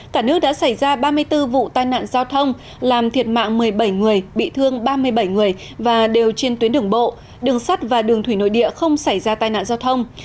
cả nước đã xảy ra ba mươi bốn vụ tai nạn giao thông làm thiệt mạng một mươi bảy người bị thương ba mươi bảy người và đều trên tuyến đường bộ đường sắt và đường thủy nội địa không xảy ra tai nạn giao thông